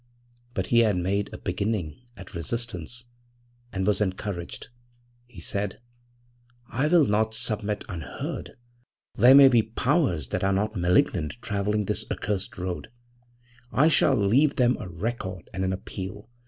But he had made a beginning at resistance and was encouraged. He said: 'I will not submit unheard. There may be powers that are not malignant travelling this accursed road. I shall leave them a record and an appeal.